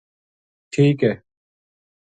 ٹھیک ہے‘‘